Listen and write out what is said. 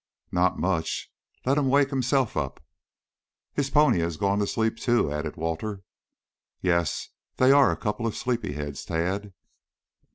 "Not much. Let him wake himself up." "His pony has gone to sleep, too," added Walter. "Yes, they are a couple of sleepy heads, Tad."